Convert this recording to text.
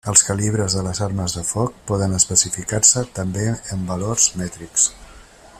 Els calibres de les armes de foc poden especificar-se també en valors mètrics.